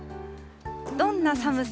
どんな寒さ？